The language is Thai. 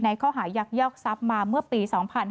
ข้อหายักยอกทรัพย์มาเมื่อปี๒๕๕๙